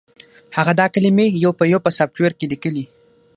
هغه دا کلمې یو په یو په سافټویر کې لیکلې